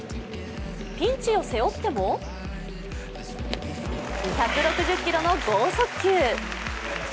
ピンチを背負っても１６０キロの剛速球。